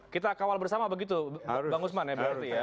kita kawal bersama begitu bang usman ya berarti ya